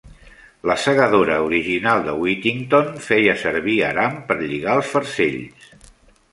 La segadora original de Withington feia servir aram per lligar els farcells.